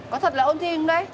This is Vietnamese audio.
có thật là ôn thi không đấy